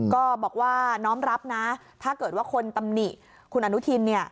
ก็บอกว่าน้อมรับนะถ้าเกิดว่าคนตำหนิคุณอนุทินเนี่ย